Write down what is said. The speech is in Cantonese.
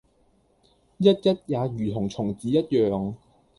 ——也同蟲子一樣，